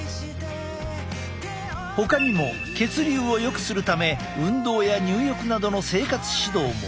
ほかにも血流をよくするため運動や入浴などの生活指導も。